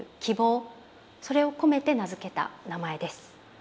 それを込めて名付けた名前です。